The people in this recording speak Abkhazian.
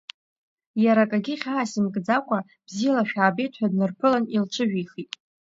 Иара акагьы хьаас имкӡакәа, бзиала шәаабеит ҳәа днарԥылан илҽыжәихит.